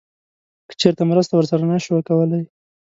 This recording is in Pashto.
که چیرته مرسته ورسره نه شو کولی